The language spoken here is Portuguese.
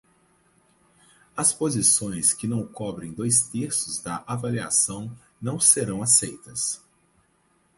As posições que não cobrem dois terços da avaliação não serão aceitas.